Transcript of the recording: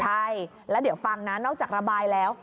ใช่แล้วเดี๋ยวฟังนะนอกจากระบายแล้ว